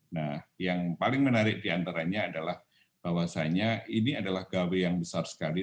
nah yang paling menarik diantaranya adalah bahwasannya ini adalah gawe yang besar sekali